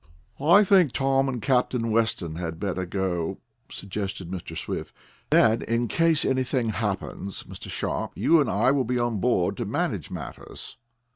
"I think Tom and Captain Weston had better go," suggested Mr. Swift. "Then, in case anything happens, Mr. Sharp, you and I will be on board to manage matters."